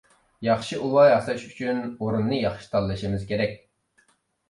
-ياخشى ئۇۋا ياساش ئۈچۈن ئورۇننى ياخشى تاللىشىمىز كېرەك.